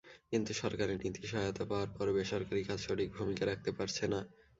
কিন্তু সরকারের নীতি-সহায়তা পাওয়ার পরও বেসরকারি খাত সঠিক ভূমিকা রাখতে পারছে না।